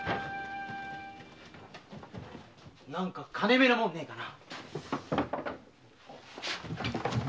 なんか金目のもんねえかな？